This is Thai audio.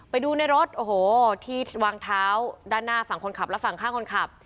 ไปดูในรถโอ้โหที่วางเท้าด้านหน้าฝั่งคนขับและฝั่งข้างคนขับ